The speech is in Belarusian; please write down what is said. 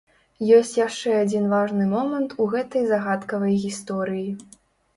Ёсць яшчэ адзін важны момант у гэтай загадкавай гісторыі.